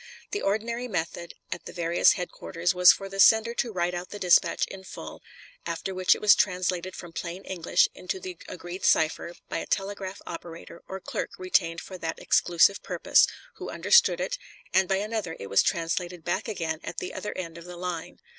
The ordinary method at the various headquarters was for the sender to write out the dispatch in full, after which it was translated from plain English into the agreed cipher by a telegraph operator or clerk retained for that exclusive purpose, who understood it, and by another it was retranslated back again at the other end of the line.